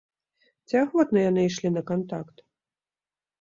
Ці ахвотна яны ішлі на кантакт?